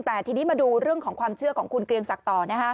แต่ทีนี้มาดูเรื่องของความเชื่อของคุณเกรียงศักดิ์ต่อ